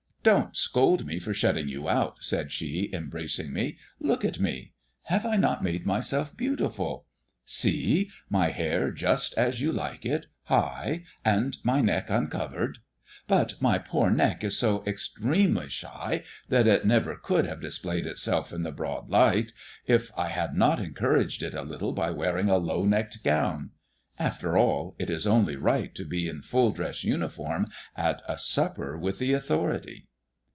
"Don't scold me for shutting you out," said she, embracing me. "Look at me. Have I not made myself beautiful? See! My hair just as you like it, high, and my neck uncovered. But my poor neck is so extremely shy that it never could have displayed itself in the broad light, if I had not encouraged it a little by wearing a low necked gown. After all, it is only right to be in full dress uniform at a supper with the authority."